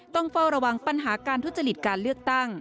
ต้องเฝ้าระวังปัญหาการทุจริตการเลือกตั้ง